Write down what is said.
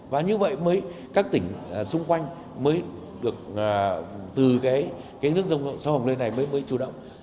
và như vậy mới các tỉnh xung quanh mới được từ cái nước sông hồng lên này mới mới chủ động